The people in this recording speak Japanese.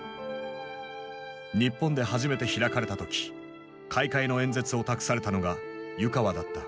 日本で初めて開かれた時開会の演説を託されたのが湯川だった。